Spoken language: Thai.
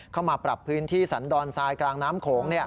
เข้ามาปรับพื้นที่สันดอนทรายกลางน้ำโขง